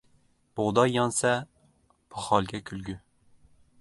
• Bug‘doy yonsa, poxolga kulgi.